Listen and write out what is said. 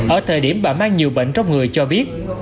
ở thời điểm bà mang nhiều bệnh trong người cho biết